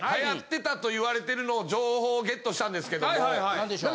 何でしょう。